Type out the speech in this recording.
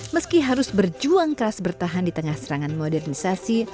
meski harus berjuang keras bertahan di tengah serangan modernisasi